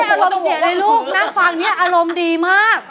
มีอารมณ์เสียล่ะลูกนักฟังนี่อารมณ์ดีมาก